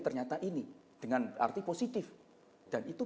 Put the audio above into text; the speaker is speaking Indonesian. ternyata ini dengan arti positif dan itu